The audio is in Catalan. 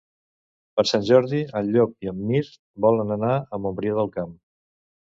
Per Sant Jordi en Llop i en Mirt volen anar a Montbrió del Camp.